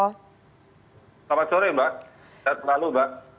selamat sore mbak